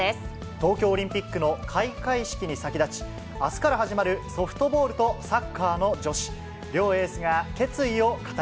東京オリンピックの開会式に先立ち、あすから始まるソフトボールとサッカーの女子。